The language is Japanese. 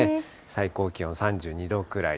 最高気温３２度くらい。